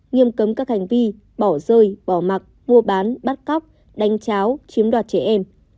nghiêm cấm các hành vi bỏ rơi bỏ mặc mua bán bắt cóc đánh cháo chiếm đoạt trẻ em